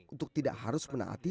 untuk tidak harus menaati